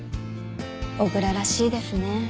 小倉らしいですね。